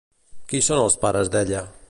Qui són els pares d'ella?